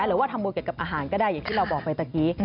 หรือว่าทำบุญเกี่ยวกับอาหารก็ได้อย่างที่เราบอกไปตะกี้